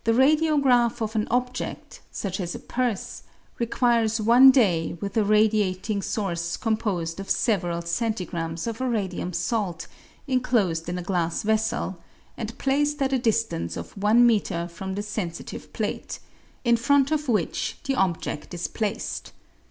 The radio graph of an objedl, such as a purse, requires one day with a radiating source composed of several centigrms. of a radium salt, enclosed in a glass vessel, and placed at a distance of I m. from the sensitive plate, in front of which the objed is placed.